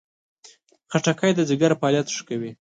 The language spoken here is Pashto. خټکی د ځیګر فعالیت ښه کوي.